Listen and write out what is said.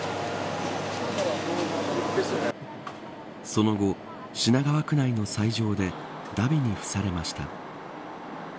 その後、品川区内の斎場でだびに付されました。